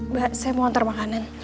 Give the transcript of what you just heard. mbak saya mau antar makanan